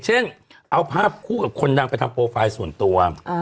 เช่นเอาภาพคู่กับคนดังไปทำโปรไฟล์ส่วนตัว